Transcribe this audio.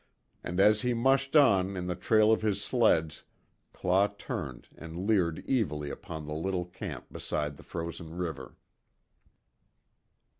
And as he mushed on in the trail of his sleds, Claw turned and leered evilly upon the little camp beside the frozen river.